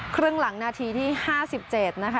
ครึ่งหลังนาทีที่๕๗นะคะ